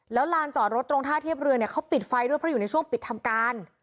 แล้วลานจอดรถตรงท่าเทียบเรือเนี่ยเขาปิดไฟด้วยเพราะอยู่ในช่วงปิดทำการ